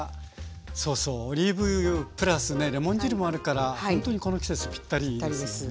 そうそうオリーブ油プラスねレモン汁もあるからほんとにこの季節ぴったりですよね。